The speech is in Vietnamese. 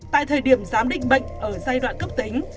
tại thời điểm giám định bệnh ở giai đoạn cấp tính